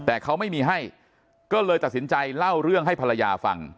แต่เขาไม่มีให้ก็เลยตัดสินใจเล่าเรื่องให้ภรรยาฟัง